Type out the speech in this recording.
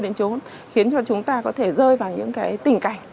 đến chỗ khiến cho chúng ta có thể rơi vào những tình cảnh